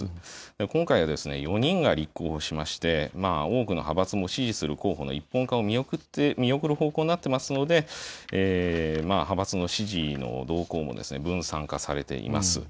今回は４人が立候補しまして、多くの派閥も支持する候補の一本化を見送る方向になっていますので、派閥の支持の動向も分散化されています。